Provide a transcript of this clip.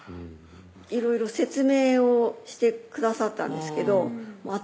いろいろ説明をしてくださったんですけど頭